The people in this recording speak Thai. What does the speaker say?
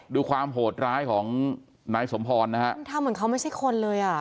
ดูความโหดร้ายของนายสมพรนะฮะมันทำเหมือนเขาไม่ใช่คนเลยอ่ะ